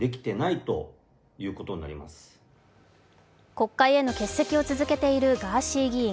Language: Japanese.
国会への欠席を続けているガーシー議員。